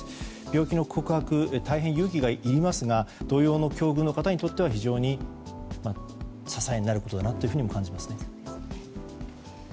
病気の告白は大変勇気がいりますが同様の境遇の方にとっては非常に支えになるなと感じます。